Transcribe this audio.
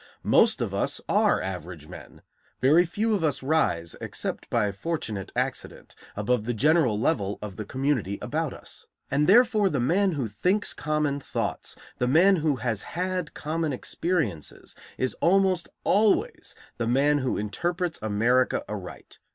Most of us are average men; very few of us rise, except by fortunate accident, above the general level of the community about us; and therefore the man who thinks common thoughts, the man who has had common experiences, is almost always the man who interprets America aright.